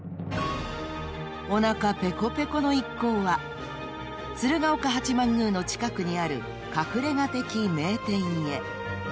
［おなかぺこぺこの一行は鶴岡八幡宮の近くにある隠れ家的名店へ］